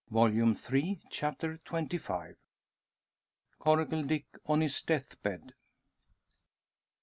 Volume Three, Chapter XXV. CORACLE DICK ON HIS DEATH BED.